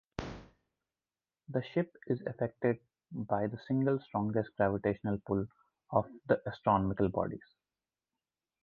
The ship is affected by the single strongest gravitational pull of the astronomical bodies.